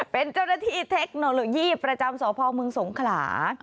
เป็นเจ้าหน้าที่เทคโนโลยีประจำสพมสงขลา